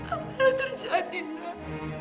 apa yang terjadi nak